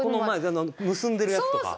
結んでるやつとか。